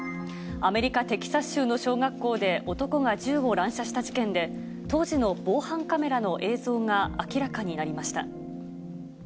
アメリカ・テキサス州の小学校で、男が銃を乱射した事件で、当時の防犯カメラの映像が明らかになりました。